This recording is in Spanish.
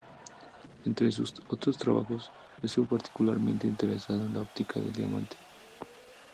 Entre sus otros trabajos, estuvo particularmente interesado en la óptica del diamante.